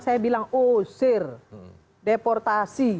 saya bilang oh sir deportasi